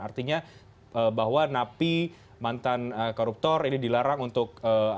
artinya bahwa napi mantan koruptor ini dilarang untuk